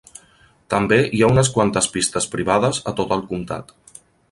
També hi ha unes quantes pistes privades a tot el comtat.